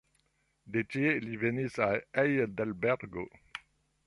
De tie li venis al Hejdelbergo.